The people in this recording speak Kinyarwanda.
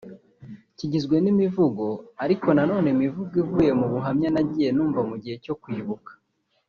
Kigizwe n’imivugo ariko nanone imivugo ivuye mu buhamya nagiye numva mu gihe cyo kwibuka